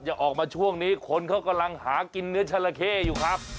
อย่าออกมาช่วงนี้คนเขากำลังหากินเนื้อชาราเข้อยู่ครับ